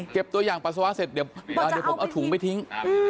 ตัวอย่างปัสสาวะเสร็จเดี๋ยวผมเอาถุงไปทิ้ง